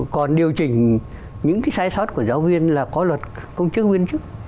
còn điều chỉnh những cái sai sót của giáo viên là có luật công chức viên chức